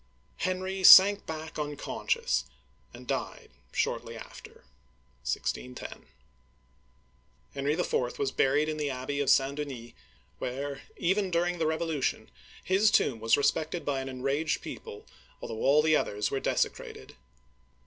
Henry sank back unconscious, and died shortly after (16 10). Henry IV. was buried in the Abbey of St. Denis, where, even during the Revolution, his tomb was respected by an enraged people, although all the others were desecrated.